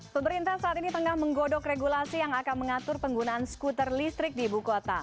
pemerintah saat ini tengah menggodok regulasi yang akan mengatur penggunaan skuter listrik di ibu kota